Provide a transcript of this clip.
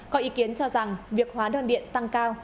có ý kiến cho rằng việc hóa đơn điện tăng cao